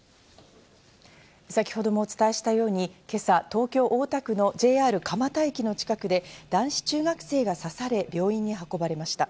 先程もお伝えしましたように、今朝、大田区のＪＲ蒲田駅の近くで男子中学生が刺され、病院に運ばれました。